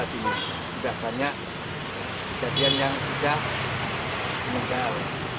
sudah banyak kejadian yang tidak menanggal